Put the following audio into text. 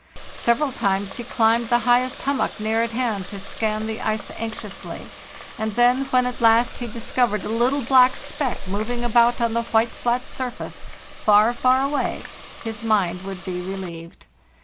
Several times he climbed the highest hummock near at hand to scan the ice anxiously; and then, when at last he discovered a little black speck moving about on the white flat surface far, far away, his mind would be relieved.